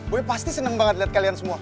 boy pasti seneng banget liat kalian semua